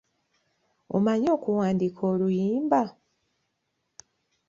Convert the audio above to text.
Omanyi okuwandiika oluyimba?